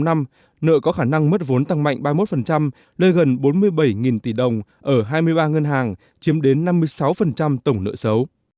nợ có khả năng mất vốn tăng mạnh ba mươi một lên gần bốn mươi bảy tỷ đồng ở hai mươi ba ngân hàng chiếm đến năm mươi sáu tổng nợ xấu